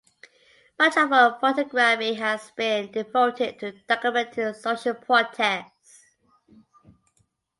Much of her photography has been devoted to documenting social protests.